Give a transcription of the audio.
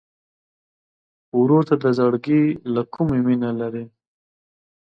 ورور ته د زړګي له کومي مینه لرې.